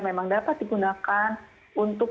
memang dapat digunakan untuk